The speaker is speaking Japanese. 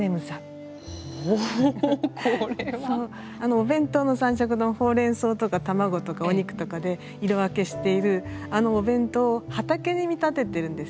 お弁当の三色丼ほうれんそうとか卵とかお肉とかで色分けしているあのお弁当を畑に見立てているんですよね。